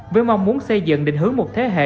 với mong muốn xây dựng định hướng một thế hệ